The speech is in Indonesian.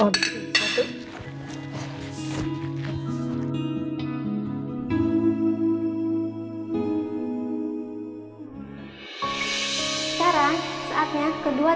oh disini satu